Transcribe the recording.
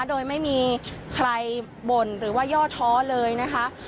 โดยไม่มีใครบ่นหรือว่าย่อท้อเลยนะคะ